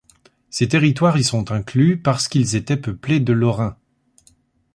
Ces territoires y sont inclus parce qu'ils étaient peuplés de Lorrains.